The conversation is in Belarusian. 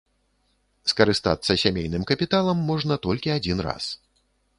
Скарыстацца сямейным капіталам можна толькі адзін раз.